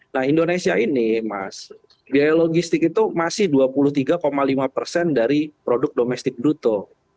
nah indonesia ini mas biaya logistik itu masih dua puluh tiga lima persen dari produk domestik bruto